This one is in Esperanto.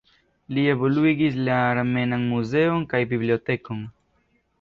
Li evoluigis la armenan muzeon kaj bibliotekon.